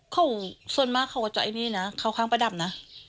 เขาส่วนมากเขาจะไอ้นี่นะเข้าข้างประดับนะ